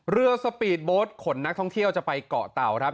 สปีดโบสต์ขนนักท่องเที่ยวจะไปเกาะเตาครับ